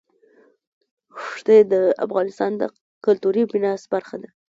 ښتې د افغانستان د کلتوري میراث برخه ده.